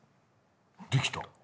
できた！